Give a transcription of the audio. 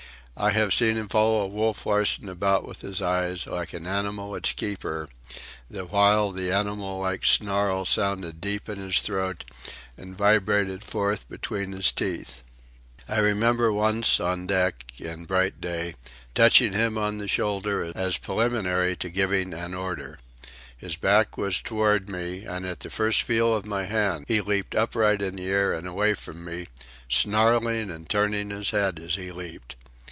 I have seen him follow Wolf Larsen about with his eyes, like an animal its keeper, the while the animal like snarl sounded deep in his throat and vibrated forth between his teeth. I remember once, on deck, in bright day, touching him on the shoulder as preliminary to giving an order. His back was toward me, and at the first feel of my hand he leaped upright in the air and away from me, snarling and turning his head as he leaped.